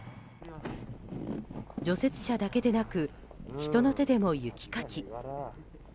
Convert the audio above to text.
除雪車だけでなく人の手でも雪かき。